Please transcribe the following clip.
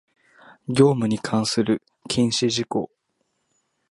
業務に関する禁止事項